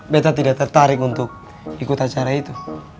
beta tidak tertarik untuk ikut acara itu